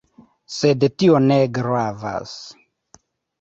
Sed tio ne gravas